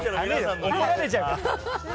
怒られちゃうから。